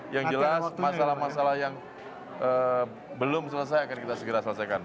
yang jelas masalah masalah yang belum selesai akan kita segera selesaikan